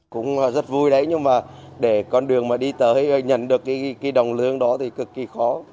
cũng rất vui đấy nhưng mà để con đường mà đi tới nhận được cái đồng lương đó thì cực kỳ khó